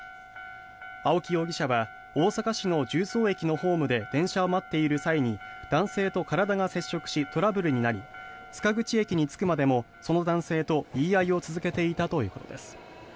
青木容疑者は大阪市の十三駅のホームで電車を待っている際に男性と体が接触しトラブルになり塚口駅に着くまでもその男性と言い合いを続けていたということです。